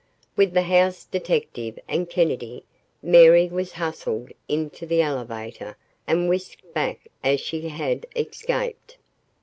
With the house detective and Kennedy, Mary was hustled into the elevator and whisked back as she had escaped.